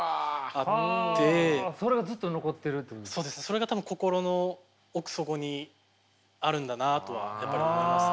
それが多分心の奥底にあるんだなとはやっぱり思いますね。